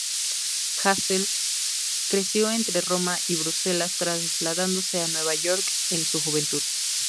Hassell creció entre Roma y Bruselas, trasladándose a Nueva York en su juventud.